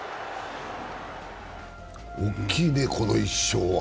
大きいね、この１勝は。